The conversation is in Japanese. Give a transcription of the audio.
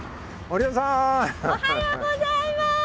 おはようございます！